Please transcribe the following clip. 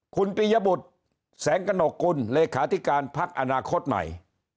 คุณปียบุตรแสงกระหนกกุลเลขาธิการพักอนาคตใหม่